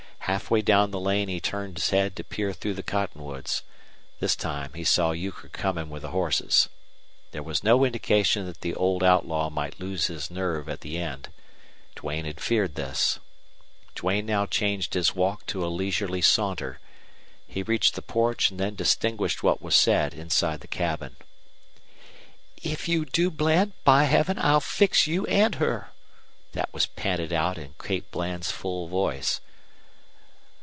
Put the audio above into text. Halfway down the lane he turned his head to peer through the cottonwoods. This time he saw Euchre coming with the horses. There was no indication that the old outlaw might lose his nerve at the end. Duane had feared this. Duane now changed his walk to a leisurely saunter. He reached the porch and then distinguished what was said inside the cabin. "If you do, Bland, by Heaven I'll fix you and her!" That was panted out in Kate Bland's full voice.